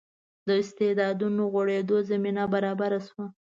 د استعدادونو غوړېدو زمینه برابره شوه.